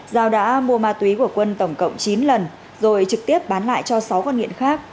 giao đã mua ma túy của quân tổng cộng chín lần rồi trực tiếp bán lại cho sáu con nghiện khác